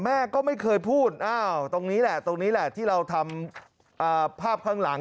แม่ก็ไม่เคยพูดอ้าวตรงนี้แหละที่เราทำภาพข้างหลัง